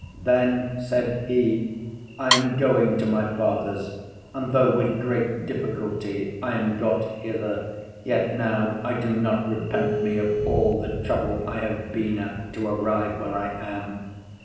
Then said he, I am going to my fathers, and though with great difficulty I am got hither, yet now I do not repent me of all the trouble I have been at to arrive where I am.